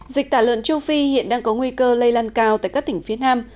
dịch tả lợn châu phi hiện đang có nguy cơ lây lan cao tại các tỉnh phía nam